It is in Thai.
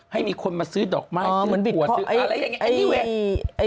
ให้มีคนมาซื้อดอกไม้ซื้อขวัญอะไรอย่างนี้